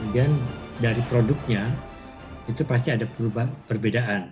dan dari produknya itu pasti ada perubahan perbedaan